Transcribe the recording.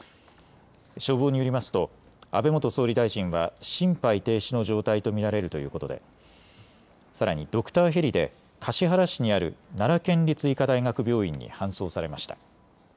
消防によりますと安倍元総理大臣は心肺停止の状態と見られるということで、さらにドクターヘリで橿原市にある奈良県立医科大学病院に搬送されました。